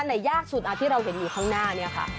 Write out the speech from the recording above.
ไหนยากสุดที่เราเห็นอยู่ข้างหน้าเนี่ยค่ะ